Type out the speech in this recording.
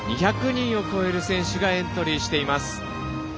２００人を超える選手がエントリーしています。